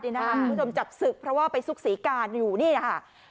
คุณผู้ชมจับศึกเพราะว่าไปซุกศรีการอยู่นี่นะคะ